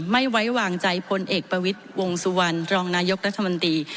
ไม่ไว้วางใจพลเอกประวิทย์วงสุวรรณรองนายกรัฐมนตรี